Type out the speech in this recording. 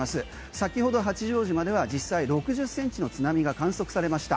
先ほど八丈島では実際６０センチの津波が観測されました。